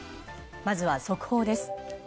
まずは速報です。